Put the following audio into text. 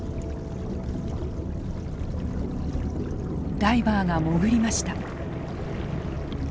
ダイバーが潜りました。